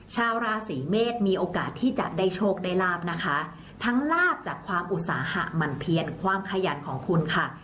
ชาวราศีเมษมีโอกาสที่จะได้โชคได้ลาบนะคะทั้งลาบจากความอุตสาหะหมั่นเพียนความขยันของคุณค่ะ